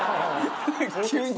急に？